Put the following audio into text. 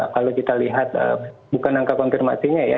kalau kita lihat bukan angka konfirmasinya ya